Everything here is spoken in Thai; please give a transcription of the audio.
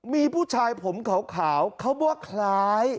มีผู้ชายผมขาวเขาว่าคล้าย